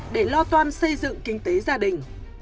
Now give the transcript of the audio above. để lo toan xây dựng kinh tế gia đình